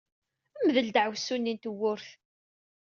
Mdel ddeɛwessu-nni n tewwurt!